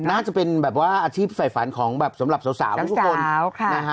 น่าจะเป็นอาชีพใส่ฝันของสำหรับสาวทุกคน